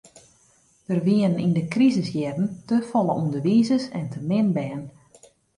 Der wienen yn de krisisjierren te folle ûnderwizers en te min bern.